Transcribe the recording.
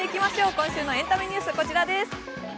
今週のエンタメニュース、こちらです。